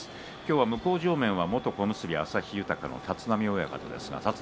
向正面は元小結旭豊の立浪親方です。